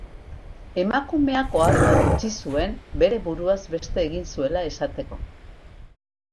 Emakumeak ohar bat utzi zuen, bere buruaz beste egin zuela esateko.